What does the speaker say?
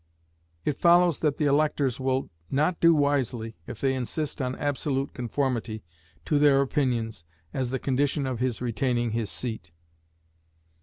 It follows that the electors will not do wisely if they insist on absolute conformity to their opinions as the condition of his retaining his seat.